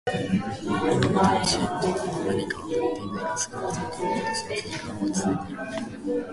今も「楽しい」とは何かはわかってはいないが、少なくとも彼女と過ごす時間は落ち着いていられる。